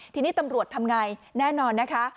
ทีนี้ตำรวจทำไงแน่นอนนะคะ